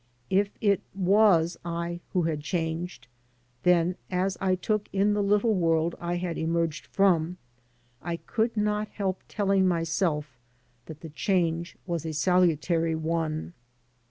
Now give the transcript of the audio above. If it was I who had changed, then, as I took in the little world I had emerged from, I could not help telling myself that the change was a salutary one.